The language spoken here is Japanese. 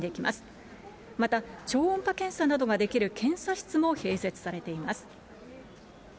また、超音波検査などができる検査室も併設されています。